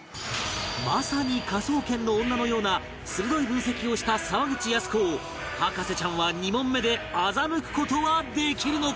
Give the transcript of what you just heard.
まさに『科捜研の女』のような鋭い分析をした沢口靖子を博士ちゃんは２問目で欺く事はできるのか？